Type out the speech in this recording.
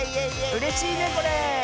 うれしいねこれ。